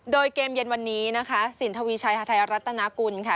โดยเกมเย็นวันนี้นะคะสินทวีชัยฮาไทยรัฐนากุลค่ะ